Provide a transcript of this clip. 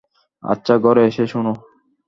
আচ্ছা, ঘরে এসে শোনো।